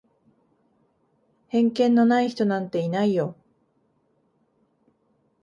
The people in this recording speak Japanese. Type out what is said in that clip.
偏見のない人なんていないよ。